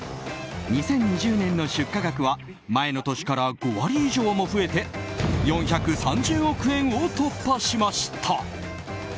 ２０２０年の出荷額は前の年から５割以上も増えて４３０億円を突破しました。